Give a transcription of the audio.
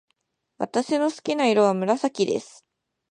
私の好きな色は紫です。